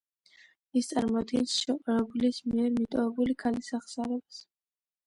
ის წარმოადგენს შეყვარებულის მიერ მიტოვებული ქალის აღსარებას.